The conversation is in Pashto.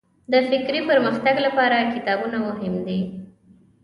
د فکري پرمختګ لپاره کتابونه مهم دي.